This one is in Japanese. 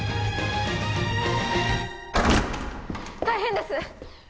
大変です！